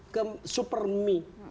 ke super mi